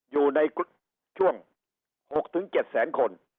อยู่ในช่วง๖๗แสนคน